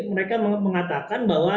mereka mengatakan bahwa